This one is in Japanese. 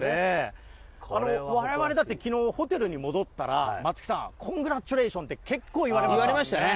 我々だって昨日、ホテルに戻ったら松木さんコングラッチュレーションって結構言われましたね。